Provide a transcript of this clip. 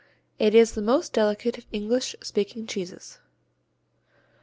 It is the most delicate of English speaking cheeses.